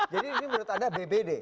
jadi ini menurut anda bbd